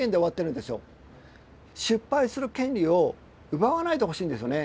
失敗する権利を奪わないでほしいんですよね。